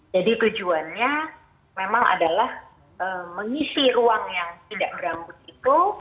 jadi tujuannya memang adalah mengisi ruang yang tidak berambut itu